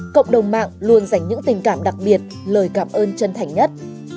cộng đồng mạng luôn dành những tình cảm đặc biệt lời cảm ơn chân thành nhất